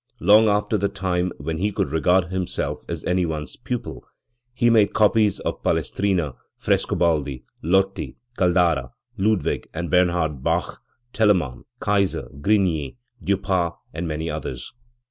Long after the time when he could regard himself as any one's pupil, he made copies of Palestrina, Frescobaldi, Lotti, Caldara, Ludwig and Bernhard Bach, Telemann, Reiser, Grigny, Dieupart and many others.